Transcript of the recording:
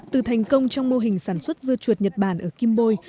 từ thành công trong mô hình sản xuất dưa chuột nhật bản ở kimbôi